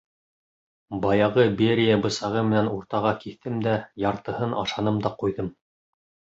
Баяғы Берия бысағы менән уртаға киҫтем дә, яртыһын ашаным да ҡуйҙым.